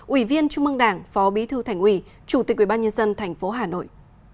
ủy viên trung mương đảng phó bí thư thành ủy chủ tịch ubnd tp hà nội